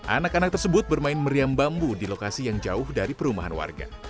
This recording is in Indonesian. anak anak tersebut bermain meriam bambu di lokasi yang jauh dari perumahan warga